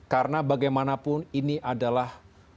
karena bagaimanapun ini adalah